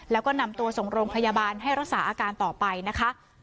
แล้วก็นำตัวส่งโรงพยาบาลให้รักษาอาการต่อไปนะคะ